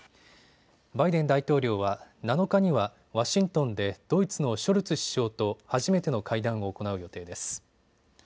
バイデン大統領は７日にはワシントンでドイツのショルツ首相と初めての会談を行う予定です。